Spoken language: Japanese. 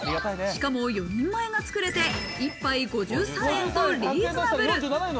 しかも、４人前が作れて、１杯５３円とリーズナブル。